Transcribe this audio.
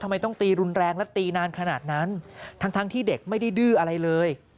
ทำไมต้องตีรุนแรงและตีนานขนาดนั้นทั้งทั้งที่เด็กไม่ได้ดื้ออะไรเลย